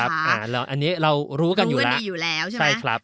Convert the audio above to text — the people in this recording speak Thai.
อันนี้เรารู้กันดีอยู่แล้วใช่ไหม